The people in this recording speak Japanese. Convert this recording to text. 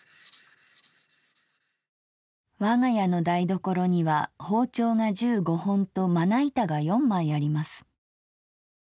「わが家の台所には包丁が十五本とまな板が四枚あります。